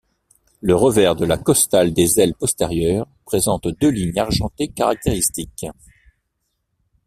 Le revers de la costale des ailes postérieures présente deux lignes argentées caractéristiques.